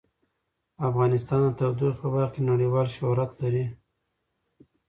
افغانستان د تودوخه په برخه کې نړیوال شهرت لري.